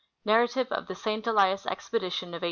NARRATIVE OF THE ST. ELIAS EXPEDITION OF 1890.